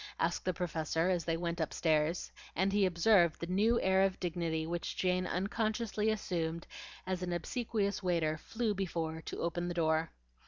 asked the Professor as they went upstairs, and he observed the new air of dignity which Jane unconsciously assumed as an obsequious waiter flew before to open the door.